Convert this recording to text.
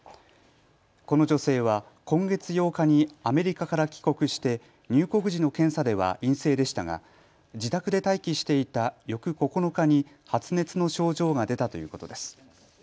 この女性は今月８日にアメリカから帰国して入国時の検査では陰性でしたが自宅で待機していた翌９日に発熱の症状が出たということです。